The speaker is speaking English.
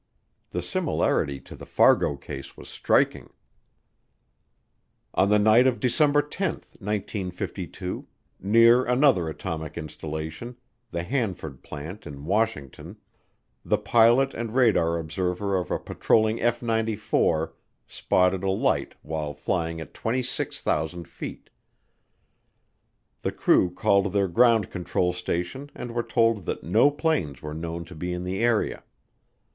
The similarity to the Fargo case was striking. On the night of December 10, 1952, near another atomic installation, the Hanford plant in Washington, the pilot and radar observer of a patrolling F 94 spotted a light while flying at 26,000 feet. The crew called their ground control station and were told that no planes were known to be in the area.